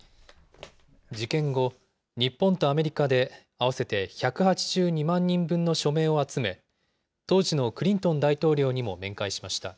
事件後、日本とアメリカで合わせて１８２万人分の署名を集め、当時のクリントン大統領にも面会しました。